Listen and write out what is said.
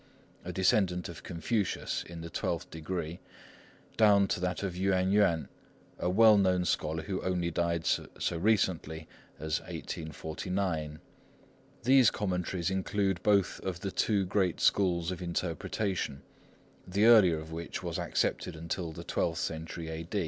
a descendant of Confucius in the twelfth degree, down to that of Yüan Yüan, a well known scholar who only died so recently as 1849. These commentaries include both of the two great schools of interpretation, the earlier of which was accepted until the twelfth century A.